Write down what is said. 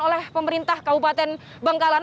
oleh pemerintah kabupaten bangkalan